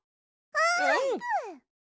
あーぷん！